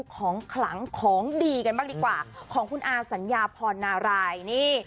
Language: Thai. ของขลังของดีกันบ้างดีกว่าของคุณอาสัญญาพรนารายนี่